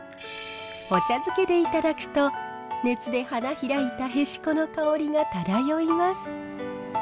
お茶漬けでいただくと熱で花開いたへしこの香りが漂います。